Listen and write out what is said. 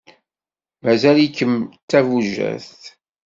Mazal-ikem d tabujadt.